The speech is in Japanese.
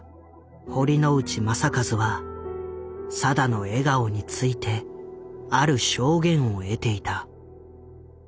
堀ノ内雅一は定の笑顔についてある証言を得ていた。